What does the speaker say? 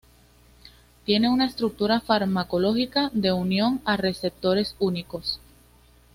Tiene una estructura farmacológica de unión a receptores únicos.